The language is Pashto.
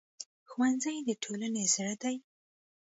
ښوونځی د ټولنې زړه دی